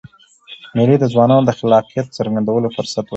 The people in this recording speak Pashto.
مېلې د ځوانانو د خلاقیت څرګندولو فرصت ورکوي.